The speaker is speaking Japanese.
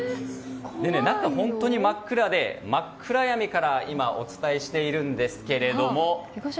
中は本当に真っ暗で真っ暗闇からお伝えしているんですけれども。